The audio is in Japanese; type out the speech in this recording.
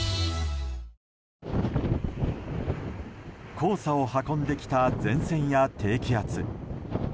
黄砂を運んできた前線や低気圧。